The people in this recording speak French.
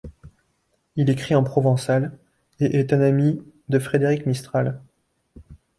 Il écrit en provençal, et est un ami de Frédéric Mistral.